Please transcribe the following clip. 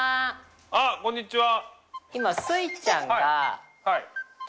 あっこんにちは。